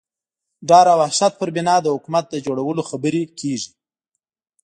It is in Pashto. ډار او وحشت پر بنا د حکومت د جوړولو خبرې کېږي.